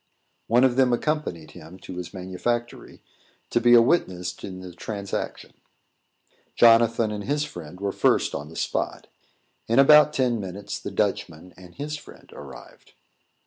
One of them accompanied him to his manufactory, to be a witness in the transaction. Jonathan and his friend were first on the spot. In about ten minutes, the Dutchman and his friend arrived.